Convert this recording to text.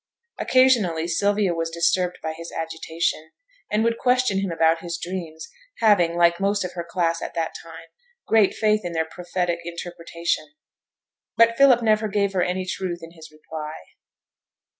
Occasionally Sylvia was disturbed by his agitation, and would question him about his dreams, having, like most of her class at that time, great faith in their prophetic interpretation; but Philip never gave her any truth in his reply.